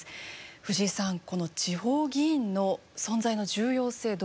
藤井さんこの地方議員の存在の重要性どう考えますか？